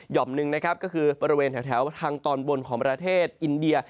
่อมหนึ่งนะครับก็คือบริเวณแถวทางตอนบนของประเทศอินเดีย